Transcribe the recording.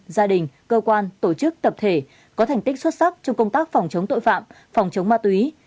gia đình cơ quan tổ chức tập thể có thành tích xuất sắc trong công tác phòng chống tội phạm phòng chống ma túy